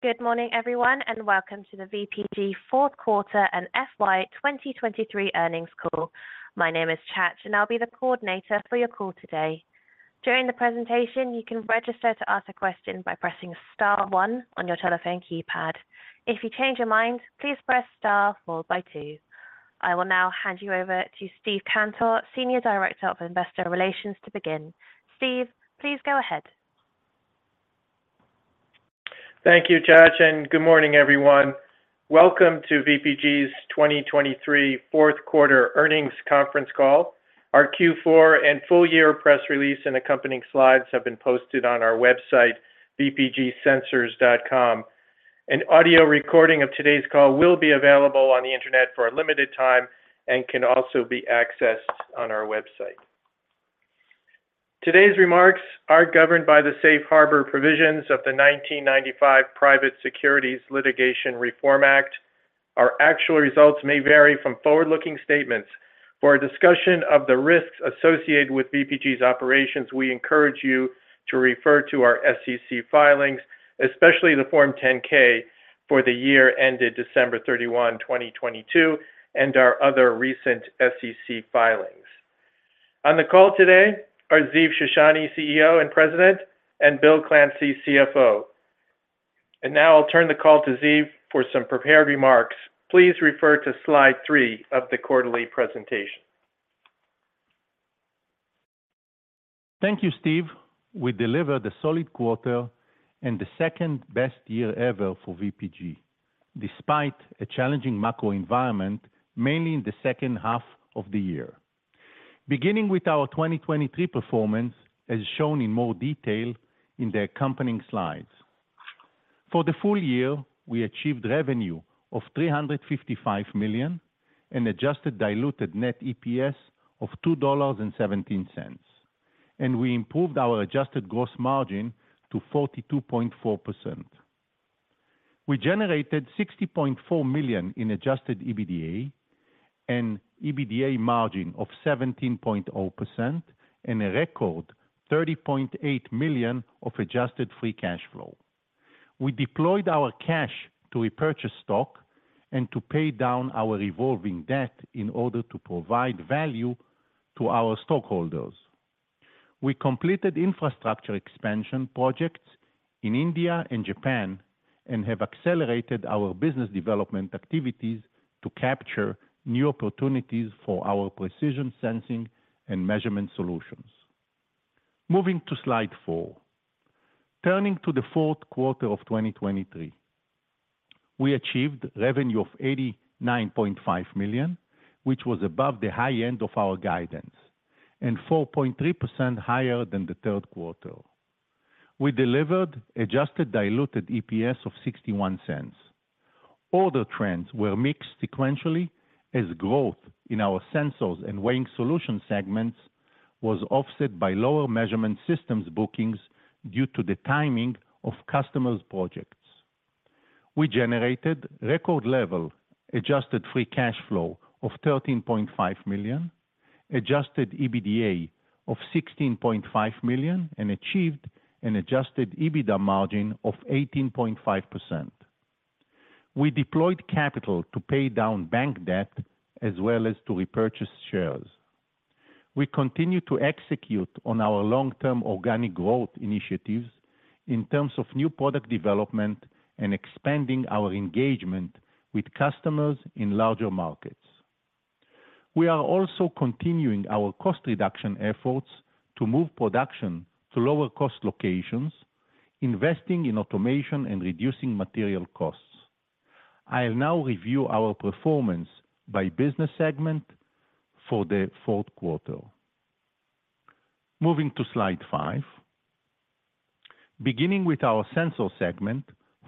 Good morning everyone, and welcome to the VPG fourth quarter and FY 2023 earnings call. My name is Chad, and I'll be the coordinator for your call today. During the presentation, you can register to ask a question by pressing star one on your telephone keypad. If you change your mind, please press star followed by two. I will now hand you over to Steve Cantor, Senior Director of Investor Relations, to begin. Steve, please go ahead. Thank you, Chad, and good morning everyone. Welcome to VPG's 2023 fourth quarter earnings conference call. Our Q4 and full-year press release and accompanying slides have been posted on our website, vpgsensors.com. An audio recording of today's call will be available on the internet for a limited time and can also be accessed on our website. Today's remarks are governed by the Safe Harbor provisions of the Private Securities Litigation Reform Act of 1995. Our actual results may vary from forward-looking statements. For a discussion of the risks associated with VPG's operations, we encourage you to refer to our SEC filings, especially the Form 10-K for the year ended December 31, 2022, and our other recent SEC filings. On the call today are Ziv Shoshani, CEO and President, and Bill Clancy, CFO. Now I'll turn the call to Ziv for some prepared remarks. Please refer to slide three of the quarterly presentation. Thank you, Steve. We delivered a solid quarter and the second best year ever for VPG, despite a challenging macro environment mainly in the second half of the year, beginning with our 2023 performance as shown in more detail in the accompanying slides. For the full year, we achieved revenue of $355 million and adjusted diluted net EPS of $2.17, and we improved our adjusted gross margin to 42.4%. We generated $60.4 million in adjusted EBITDA, an EBITDA margin of 17.0%, and a record $30.8 million of adjusted free cash flow. We deployed our cash to repurchase stock and to pay down our revolving debt in order to provide value to our stockholders. We completed infrastructure expansion projects in India and Japan and have accelerated our business development activities to capture new opportunities for our precision sensing and measurement solutions. Moving to slide four, turning to the fourth quarter of 2023. We achieved revenue of $89.5 million, which was above the high end of our guidance and 4.3% higher than the third quarter. We delivered adjusted diluted EPS of $0.61. Other trends were mixed sequentially as growth in our sensors and weighing solution segments was offset by lower measurement systems bookings due to the timing of customers' projects. We generated record-level adjusted free cash flow of $13.5 million, adjusted EBITDA of $16.5 million, and achieved an adjusted EBITDA margin of 18.5%. We deployed capital to pay down bank debt as well as to repurchase shares. We continue to execute on our long-term organic growth initiatives in terms of new product development and expanding our engagement with customers in larger markets. We are also continuing our cost reduction efforts to move production to lower-cost locations, investing in automation and reducing material costs. I'll now review our performance by business segment for the fourth quarter. Moving to slide five, beginning with our sensor segment,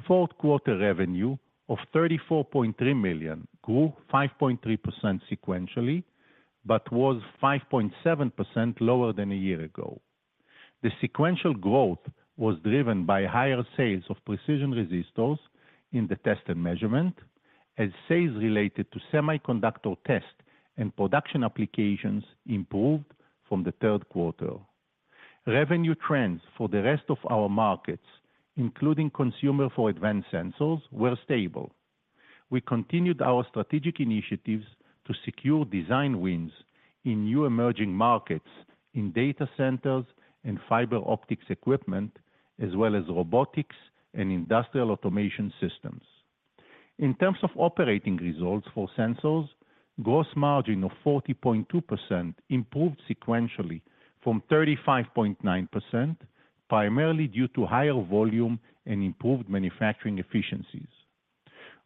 fourth quarter revenue of $34.3 million grew 5.3% sequentially but was 5.7% lower than a year ago. The sequential growth was driven by higher sales of precision resistors in the test and measurement, as sales related to semiconductor test and production applications improved from the third quarter. Revenue trends for the rest of our markets, including consumer-for-advance sensors, were stable. We continued our strategic initiatives to secure design wins in new emerging markets in data centers and fiber optics equipment, as well as robotics and industrial automation systems. In terms of operating results for sensors, gross margin of 40.2% improved sequentially from 35.9%, primarily due to higher volume and improved manufacturing efficiencies.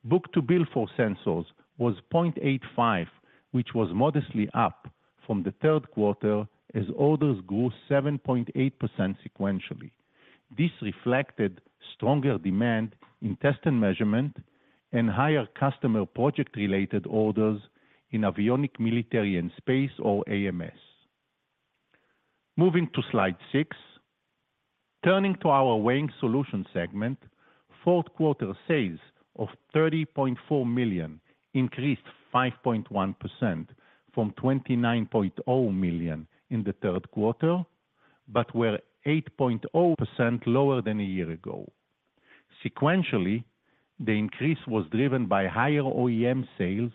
Book-to-Bill for sensors was 0.85, which was modestly up from the third quarter as orders grew 7.8% sequentially. This reflected stronger demand in test and measurement and higher customer project-related orders in avionics, military and space, or AMS. Moving to slide six, turning to our weighing solutions segment, fourth quarter sales of $30.4 million increased 5.1% from $29.0 million in the third quarter but were 8.0% lower than a year ago. Sequentially, the increase was driven by higher OEM sales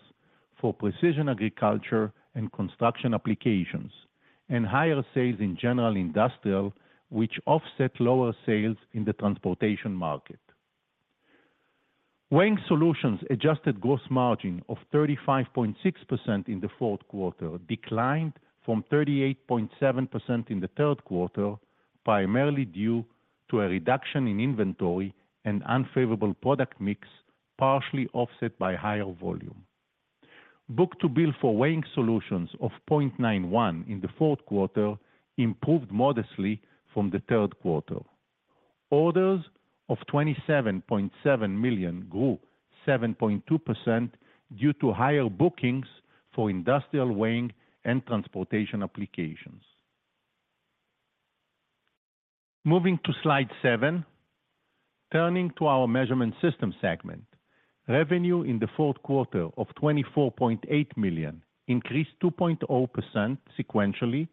for precision agriculture and construction applications, and higher sales in general industrial, which offset lower sales in the transportation market. Weighing solutions' adjusted gross margin of 35.6% in the fourth quarter declined from 38.7% in the third quarter, primarily due to a reduction in inventory and unfavorable product mix, partially offset by higher volume. Book-to-bill for weighing solutions of 0.91 in the fourth quarter improved modestly from the third quarter. Orders of $27.7 million grew 7.2% due to higher bookings for industrial weighing and transportation applications. Moving to slide seven, turning to our measurement system segment, revenue in the fourth quarter of $24.8 million increased 2.0% sequentially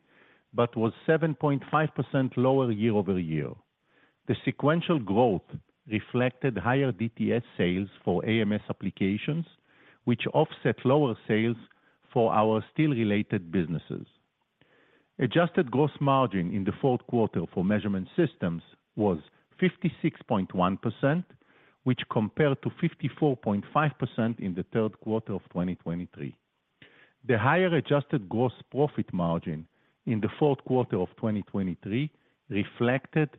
but was 7.5% lower year-over-year. The sequential growth reflected higher DTS sales for AMS applications, which offset lower sales for our steel-related businesses. Adjusted gross margin in the fourth quarter for measurement systems was 56.1%, which compared to 54.5% in the third quarter of 2023. The higher adjusted gross profit margin in the fourth quarter of 2023 reflected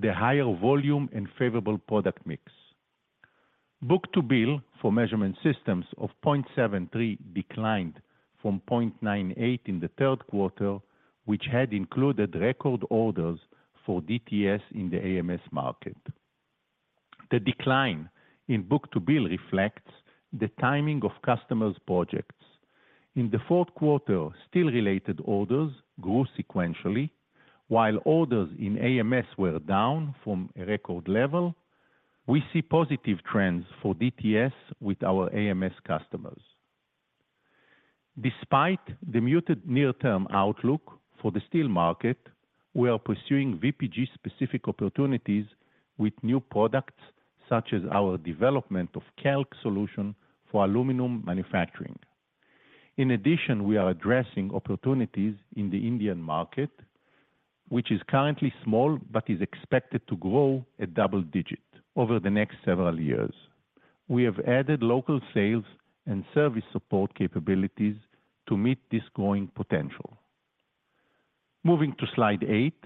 the higher volume and favorable product mix. Book-to-bill for measurement systems of 0.73 declined from 0.98 in the third quarter, which had included record orders for DTS in the AMS market. The decline in book-to-bill reflects the timing of customers' projects. In the fourth quarter, steel-related orders grew sequentially, while orders in AMS were down from a record level. We see positive trends for DTS with our AMS customers. Despite the muted near-term outlook for the steel market, we are pursuing VPG-specific opportunities with new products such as our development of KELK solution for aluminum manufacturing. In addition, we are addressing opportunities in the Indian market, which is currently small but is expected to grow a double-digit over the next several years. We have added local sales and service support capabilities to meet this growing potential. Moving to slide eight,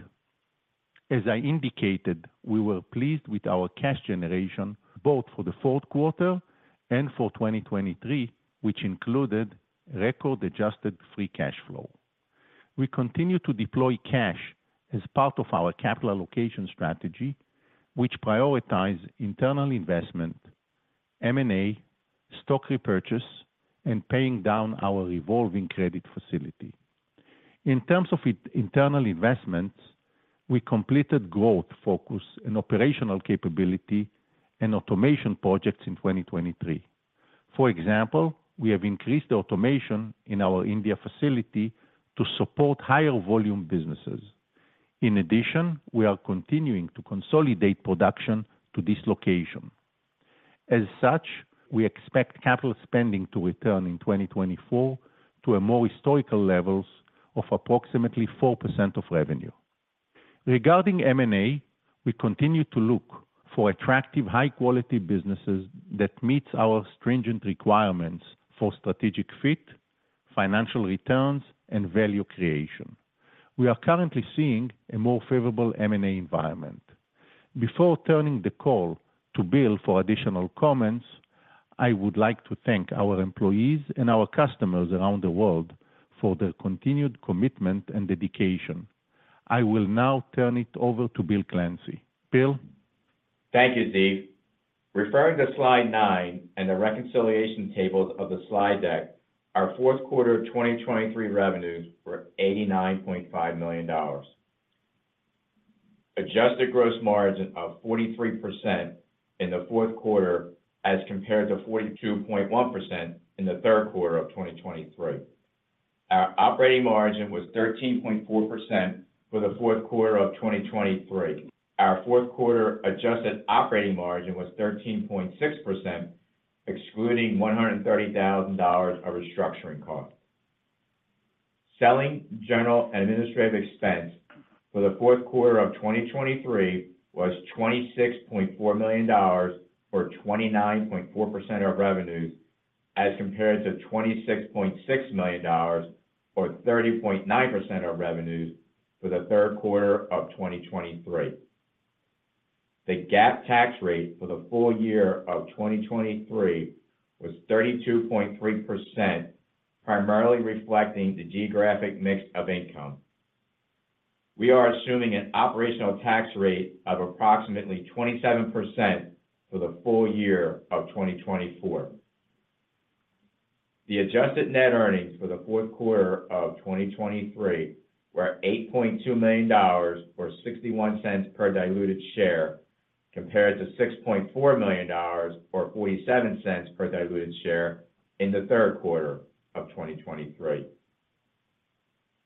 as I indicated, we were pleased with our cash generation both for the fourth quarter and for 2023, which included record adjusted free cash flow. We continue to deploy cash as part of our capital allocation strategy, which prioritizes internal investment, M&A, stock repurchase, and paying down our revolving credit facility. In terms of internal investments, we completed growth focus and operational capability and automation projects in 2023. For example, we have increased the automation in our India facility to support higher volume businesses. In addition, we are continuing to consolidate production to this location. As such, we expect capital spending to return in 2024 to a more historical level of approximately 4% of revenue. Regarding M&A, we continue to look for attractive high-quality businesses that meet our stringent requirements for strategic fit, financial returns, and value creation. We are currently seeing a more favorable M&A environment. Before turning the call to Bill for additional comments, I would like to thank our employees and our customers around the world for their continued commitment and dedication. I will now turn it over to Bill Clancy. Bill? Thank you, Ziv. Referring to slide nine and the reconciliation tables of the slide deck, our fourth quarter 2023 revenues were $89.5 million, adjusted gross margin of 43% in the fourth quarter as compared to 42.1% in the third quarter of 2023. Our operating margin was 13.4% for the fourth quarter of 2023. Our fourth quarter adjusted operating margin was 13.6%, excluding $130,000 of restructuring costs. Selling, general and administrative expense for the fourth quarter of 2023 was $26.4 million, or 29.4% of revenues, as compared to $26.6 million, or 30.9% of revenues, for the third quarter of 2023. The GAAP tax rate for the full year of 2023 was 32.3%, primarily reflecting the geographic mix of income. We are assuming an operational tax rate of approximately 27% for the full year of 2024. The adjusted net earnings for the fourth quarter of 2023 were $8.2 million, or $0.61 per diluted share, compared to $6.4 million, or $0.47 per diluted share, in the third quarter of 2023.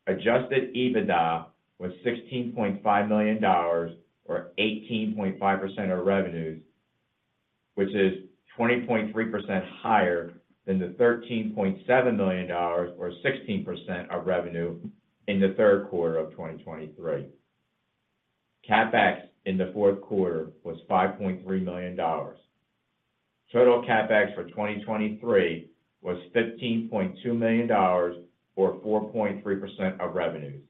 Adjusted EBITDA was $16.5 million, or 18.5% of revenues, which is 20.3% higher than the $13.7 million, or 16% of revenue, in the third quarter of 2023. CapEx in the fourth quarter was $5.3 million. Total CapEx for 2023 was $15.2 million, or 4.3% of revenues.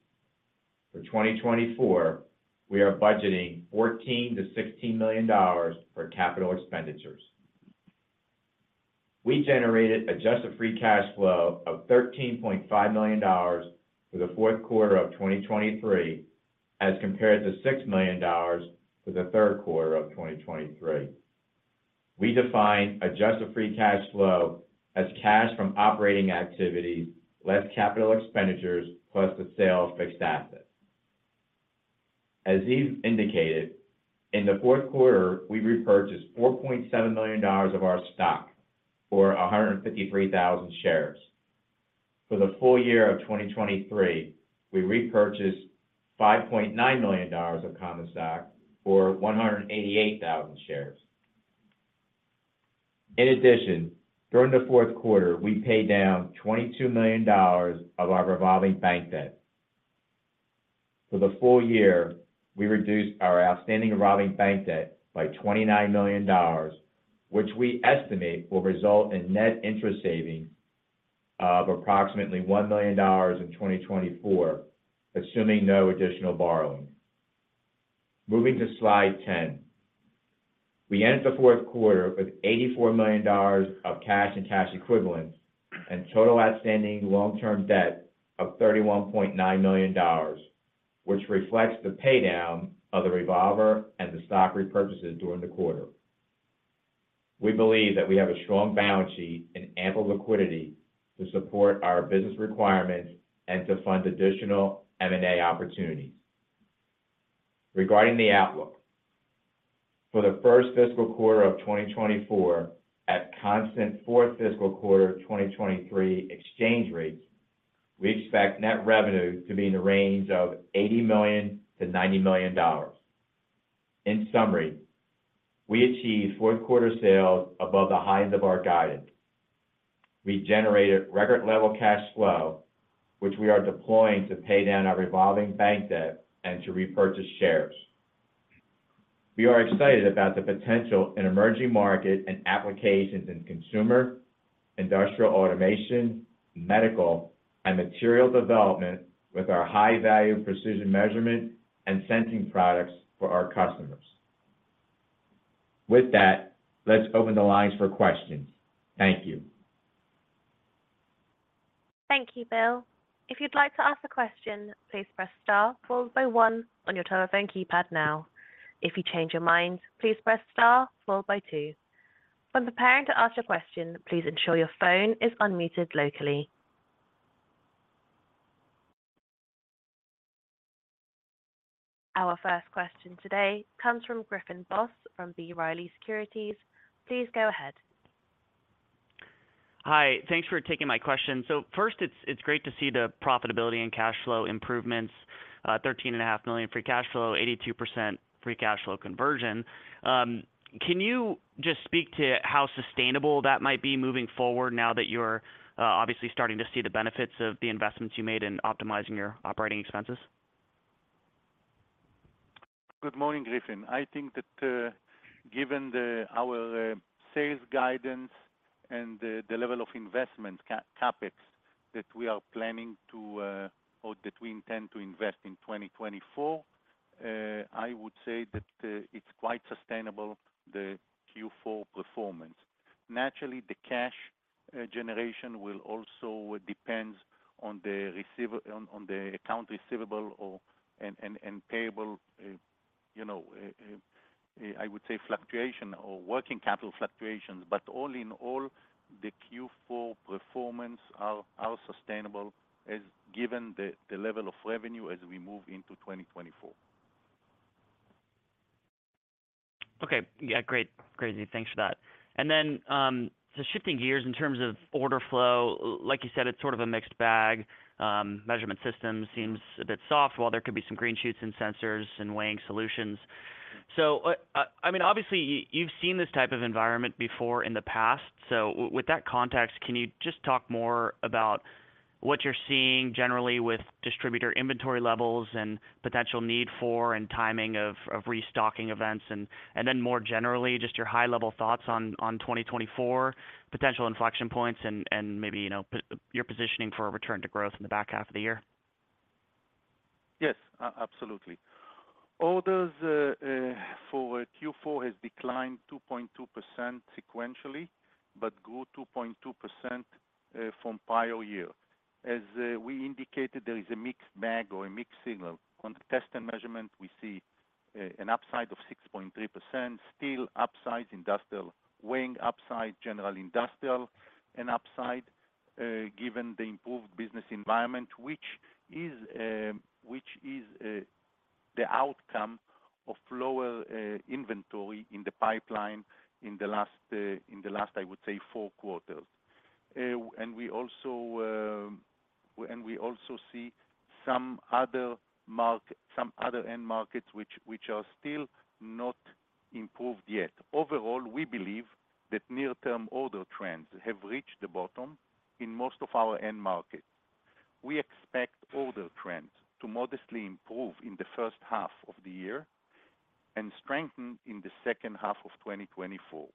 For 2024, we are budgeting $14-$16 million for capital expenditures. We generated adjusted free cash flow of $13.5 million for the fourth quarter of 2023 as compared to $6 million for the third quarter of 2023. We define adjusted free cash flow as cash from operating activities less capital expenditures plus the sale of fixed assets. As Ziv indicated, in the fourth quarter, we repurchased $4.7 million of our stock, or 153,000 shares. For the full year of 2023, we repurchased $5.9 million of common stock, or 188,000 shares. In addition, during the fourth quarter, we paid down $22 million of our revolving bank debt. For the full year, we reduced our outstanding revolving bank debt by $29 million, which we estimate will result in net interest savings of approximately $1 million in 2024, assuming no additional borrowing. Moving to slide 10, we ended the fourth quarter with $84 million of cash and cash equivalents and total outstanding long-term debt of $31.9 million, which reflects the paydown of the revolver and the stock repurchases during the quarter. We believe that we have a strong balance sheet and ample liquidity to support our business requirements and to fund additional M&A opportunities. Regarding the outlook, for the first fiscal quarter of 2024 at constant fourth fiscal quarter 2023 exchange rates, we expect net revenue to be in the range of $80 million-$90 million. In summary, we achieved fourth quarter sales above the highs of our guidance. We generated record-level cash flow, which we are deploying to pay down our revolving bank debt and to repurchase shares. We are excited about the potential in emerging market and applications in consumer, industrial automation, medical, and material development with our high-value precision measurement and sensing products for our customers. With that, let's open the lines for questions. Thank you. Thank you, Bill. If you'd like to ask a question, please press star one one on your telephone keypad now. If you change your mind, please press star two. When preparing to ask your question, please ensure your phone is unmuted locally. Our first question today comes from Griffin Boss from B. Riley Securities. Please go ahead. Hi. Thanks for taking my question. So first, it's great to see the profitability and cash flow improvements: $13.5 million free cash flow, 82% free cash flow conversion. Can you just speak to how sustainable that might be moving forward now that you're obviously starting to see the benefits of the investments you made in optimizing your operating expenses? Good morning, Griffin. I think that given our sales guidance and the level of investments, CapEx, that we are planning to or that we intend to invest in 2024, I would say that it's quite sustainable, the Q4 performance. Naturally, the cash generation will also depend on the accounts receivable and payable, I would say, fluctuation or working capital fluctuations. But all in all, the Q4 performance are sustainable given the level of revenue as we move into 2024. Okay. Yeah. Great. Great, Ziv. Thanks for that. And then, so shifting gears in terms of order flow, like you said, it's sort of a mixed bag. Measurement systems seem a bit soft, while there could be some green shoots in sensors and weighing solutions. So, I mean, obviously, you've seen this type of environment before in the past. So with that context, can you just talk more about what you're seeing generally with distributor inventory levels and potential need for and timing of restocking events? And then more generally, just your high-level thoughts on 2024, potential inflection points, and maybe your positioning for a return to growth in the back half of the year. Yes. Absolutely. Orders for Q4 have declined 2.2% sequentially but grew 2.2% from prior year. As we indicated, there is a mixed bag or a mixed signal. On test and measurement, we see an upside of 6.3%, still upsides industrial, weighing upside general industrial, an upside given the improved business environment, which is the outcome of lower inventory in the pipeline in the last, I would say, four quarters. We also see some other end markets which are still not improved yet. Overall, we believe that near-term order trends have reached the bottom in most of our end markets. We expect order trends to modestly improve in the first half of the year and strengthen in the second half of 2024.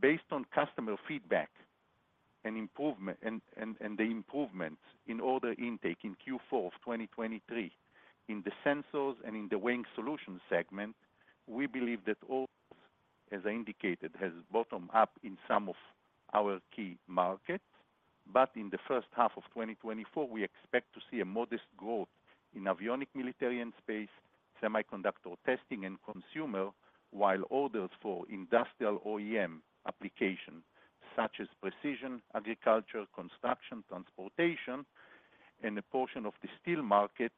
Based on customer feedback and the improvements in order intake in Q4 of 2023 in the sensors and in the weighing solutions segment, we believe that orders, as I indicated, have bottomed up in some of our key markets. But in the first half of 2024, we expect to see a modest growth in avionics, military and space, semiconductor testing, and consumer, while orders for industrial OEM applications such as precision agriculture, construction, transportation, and a portion of the steel market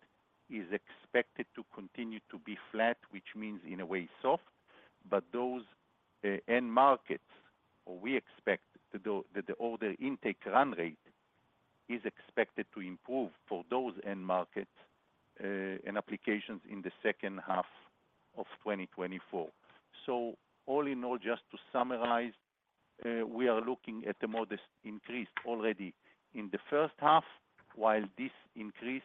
is expected to continue to be flat, which means, in a way, soft. But those end markets, or we expect that the order intake run rate is expected to improve for those end markets and applications in the second half of 2024. So all in all, just to summarize, we are looking at a modest increase already in the first half, while this increase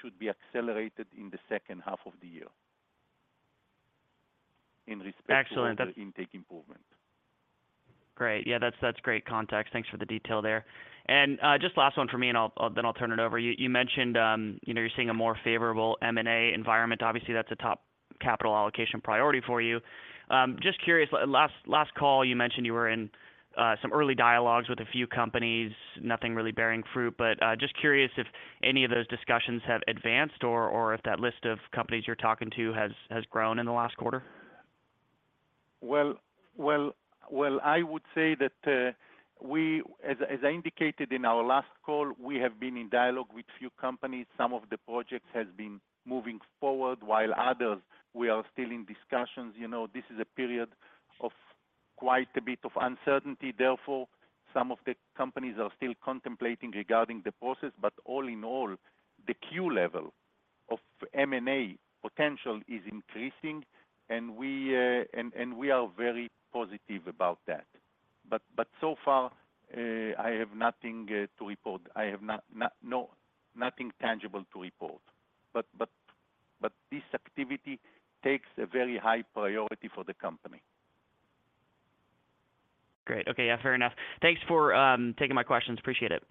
should be accelerated in the second half of the yea. In respect to order intake improvement. Excellent. Great. Yeah. That's great context. Thanks for the detail there. Just last one for me, and then I'll turn it over. You mentioned you're seeing a more favorable M&A environment. Obviously, that's a top capital allocation priority for you. Just curious, last call, you mentioned you were in some early dialogues with a few companies, nothing really bearing fruit. But just curious if any of those discussions have advanced or if that list of companies you're talking to has grown in the last quarter? Well, I would say that, as I indicated in our last call, we have been in dialogue with few companies. Some of the projects have been moving forward, while others, we are still in discussions. This is a period of quite a bit of uncertainty. Therefore, some of the companies are still contemplating regarding the process. But all in all, the Q level of M&A potential is increasing, and we are very positive about that. But so far, I have nothing to report. I have nothing tangible to report. But this activity takes a very high priority for the company. Great. Okay. Yeah. Fair enough. Thanks for taking my questions. Appreciate it.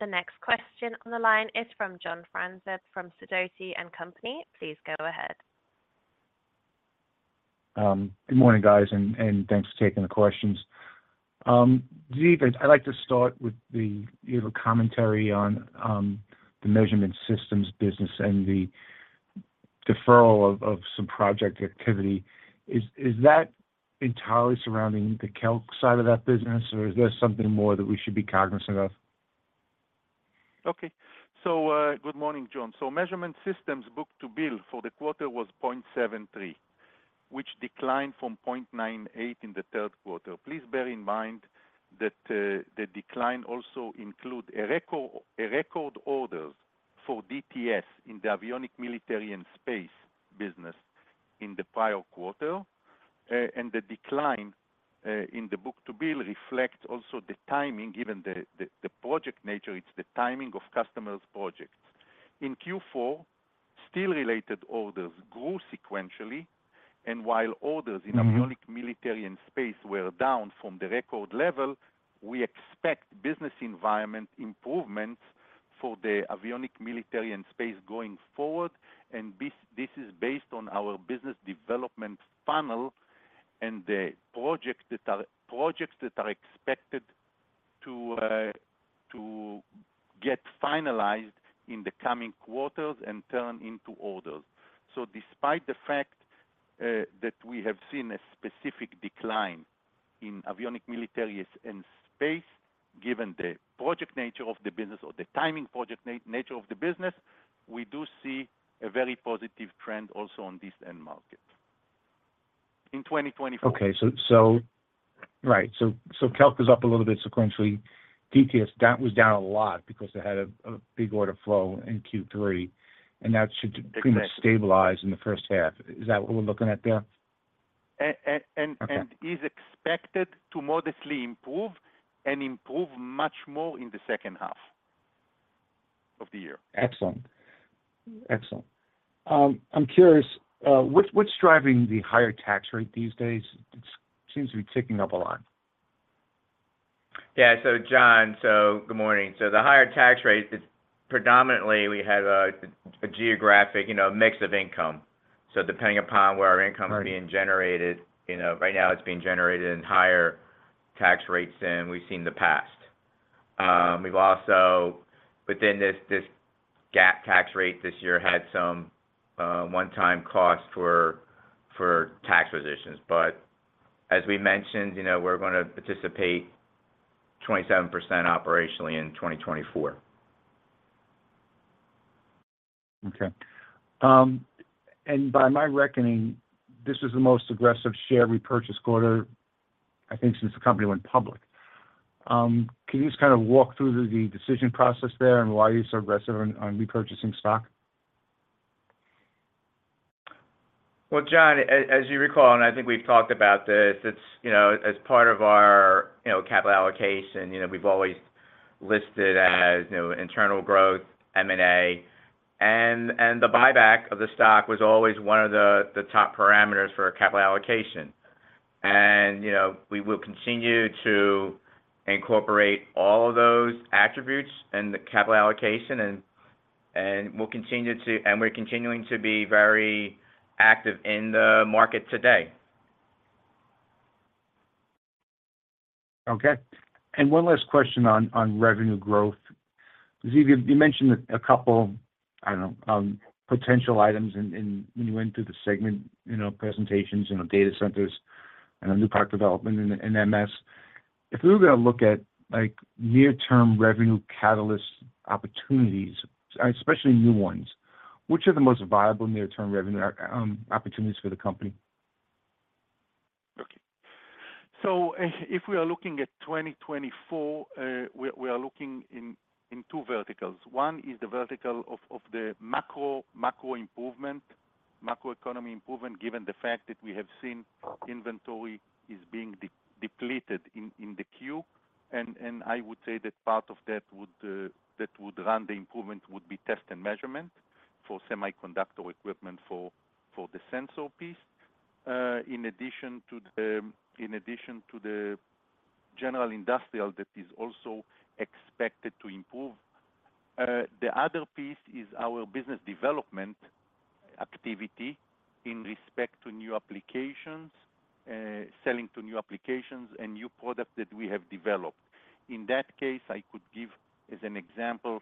The next question on the line is from John Franzreb from Sidoti & Company. Please go ahead. Good morning, guys, and thanks for taking the questions. Ziv, I'd like to start with your commentary on the measurement systems business and the deferral of some project activity. Is that entirely surrounding the KELK side of that business, or is there something more that we should be cognizant of? Okay. So good morning, John. So measurement systems book-to-bill for the quarter was 0.73, which declined from 0.98 in the third quarter. Please bear in mind that the decline also includes a record order for DTS in the avionics, military and space business in the prior quarter. And the decline in the book-to-bill reflects also the timing. Given the project nature, it's the timing of customers' projects. In Q4, steel-related orders grew sequentially. And while orders in avionics, military and space were down from the record level, we expect business environment improvements for the avionics, military and space going forward. And this is based on our business development funnel and the projects that are expected to get finalized in the coming quarters and turn into orders. Despite the fact that we have seen a specific decline in avionics, military, and space, given the project nature of the business or the timing project nature of the business, we do see a very positive trend also on this end market in 2024. Okay. Right. So KELK is up a little bit sequentially. DTS, that was down a lot because they had a big order flow in Q3, and that should pretty much stabilize in the first half. Is that what we're looking at there? Is expected to modestly improve and improve much more in the second half of the year. Excellent. Excellent. I'm curious, what's driving the higher tax rate these days? It seems to be ticking up a lot. Yeah. So, John, so good morning. So the higher tax rate, predominantly, we have a geographic mix of income. So depending upon where our income is being generated, right now, it's being generated in higher tax rates than we've seen in the past. We've also, within this GAAP tax rate this year, had some one-time costs for tax positions. But as we mentioned, we're going to participate 27% operationally in 2024. Okay. By my reckoning, this is the most aggressive share repurchase quarter, I think, since the company went public. Can you just kind of walk through the decision process there and why you're so aggressive on repurchasing stock? Well, John, as you recall, and I think we've talked about this, as part of our capital allocation, we've always listed as internal growth, M&A. The buyback of the stock was always one of the top parameters for capital allocation. We will continue to incorporate all of those attributes in the capital allocation, and we'll continue to and we're continuing to be very active in the market today. Okay. One last question on revenue growth. Ziv, you mentioned a couple, I don't know, potential items when you went through the segment presentations, data centers, and new product development in MS. If we were going to look at near-term revenue catalyst opportunities, especially new ones, which are the most viable near-term revenue opportunities for the company? Okay. So if we are looking at 2024, we are looking in two verticals. One is the vertical of the macro improvement, macroeconomy improvement, given the fact that we have seen inventory is being depleted in the Q. And I would say that part of that would run the improvement would be test and measurement for semiconductor equipment for the sensor piece, in addition to the general industrial that is also expected to improve. The other piece is our business development activity in respect to new applications, selling to new applications, and new products that we have developed. In that case, I could give, as an example,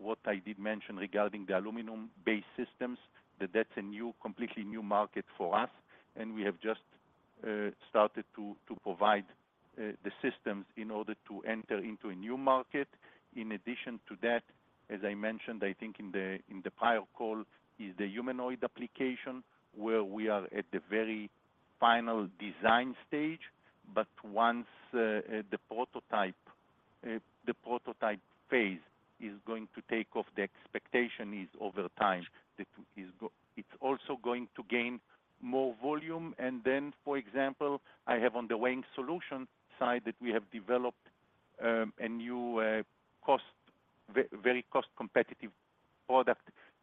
what I did mention regarding the aluminum-based systems, that that's a completely new market for us. And we have just started to provide the systems in order to enter into a new market. In addition to that, as I mentioned, I think in the prior call, is the humanoid application, where we are at the very final design stage. But once the prototype phase is going to take off, the expectation is, over time, that it's also going to gain more volume. And then, for example, I have on the weighing solution side that we have developed a very cost-competitive product,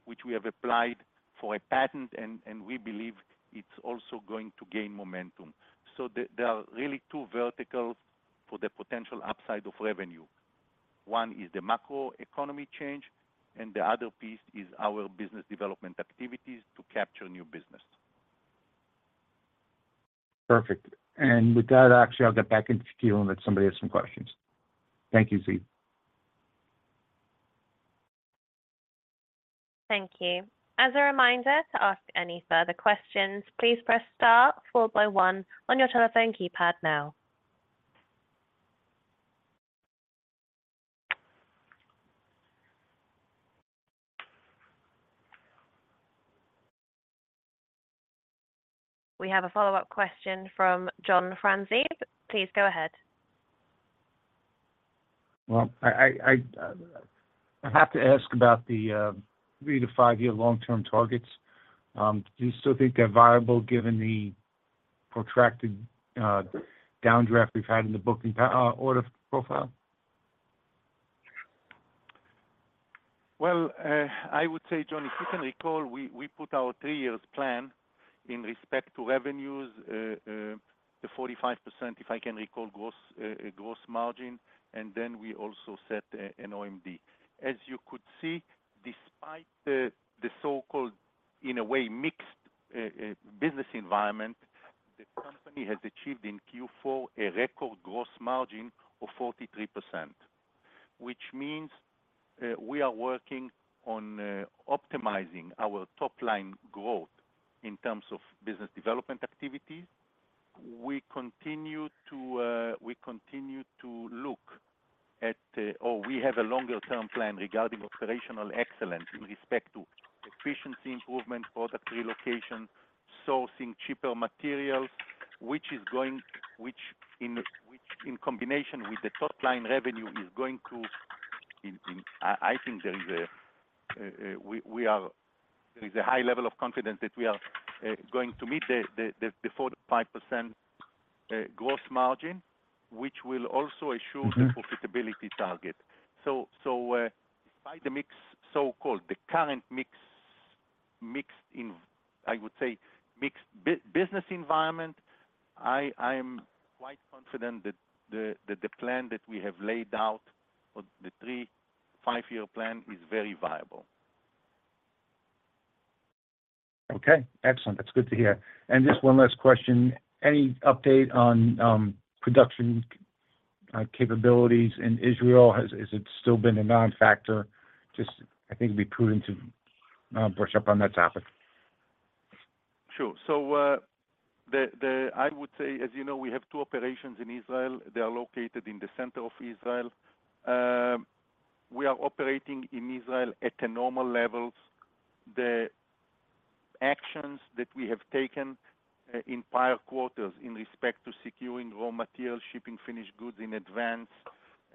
which we have applied for a patent, and we believe it's also going to gain momentum. So there are really two verticals for the potential upside of revenue. One is the macroeconomy change, and the other piece is our business development activities to capture new business. Perfect. With that, actually, I'll get back into queue and let somebody have some questions. Thank you, Ziv. Thank you. As a reminder, to ask any further questions, please press star followed by one on your telephone keypad now. We have a follow-up question from John Franzreb. Please go ahead. Well, I have to ask about the 3-5-year long-term targets. Do you still think they're viable given the protracted downdraft we've had in the booking order profile? Well, I would say, John, if you can recall, we put our three-year plan in respect to revenues, the 45%, if I can recall, gross margin. And then we also set an OMD. As you could see, despite the so-called, in a way, mixed business environment, the company has achieved in Q4 a record gross margin of 43%, which means we are working on optimizing our top-line growth in terms of business development activities. We continue to look at or we have a longer-term plan regarding operational excellence in respect to efficiency improvement, product relocation, sourcing cheaper materials, which, in combination with the top-line revenue, is going to. I think there is a high level of confidence that we are going to meet the 4%-5% gross margin, which will also assure the profitability target. Despite the so-called current mixed in, I would say, mixed business environment, I am quite confident that the plan that we have laid out, the 3-5-year plan, is very viable. Okay. Excellent. That's good to hear. Just one last question. Any update on production capabilities in Israel? Has it still been a non-factor? I think it'd be prudent to brush up on that topic. Sure. So I would say, as you know, we have two operations in Israel. They are located in the center of Israel. We are operating in Israel at the normal levels. The actions that we have taken in prior quarters in respect to securing raw material, shipping finished goods in advance,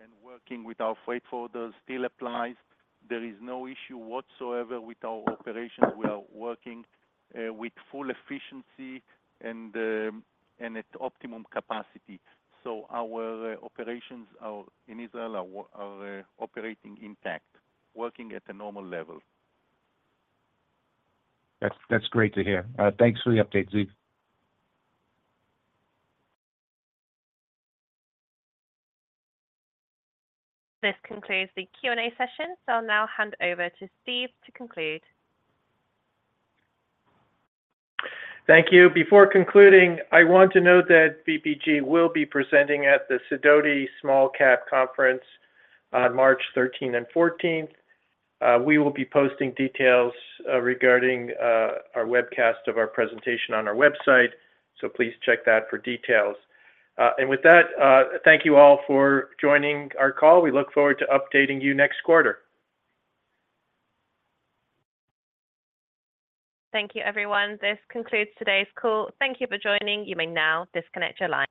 and working with our freight forwarders still applies. There is no issue whatsoever with our operations. We are working with full efficiency and at optimum capacity. So our operations in Israel are operating intact, working at a normal level. That's great to hear. Thanks for the update, Ziv. This concludes the Q&A session. I'll now hand over to Ziv to conclude. Thank you. Before concluding, I want to note that VPG will be presenting at the Sidoti Small Cap Conference on March 13th and 14th. We will be posting details regarding our webcast of our presentation on our website, so please check that for details. And with that, thank you all for joining our call. We look forward to updating you next quarter. Thank you, everyone. This concludes today's call. Thank you for joining. You may now disconnect your line.